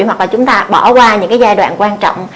hoặc là chúng ta bỏ qua những cái giai đoạn quan trọng